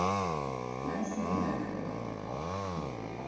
芒西尼亚克人口变化图示